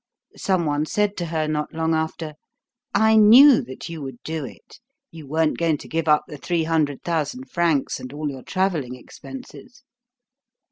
Some one said to her not long after: "I knew that you would do it. You weren't going to give up the three hundred thousand francs and all your travelling expenses."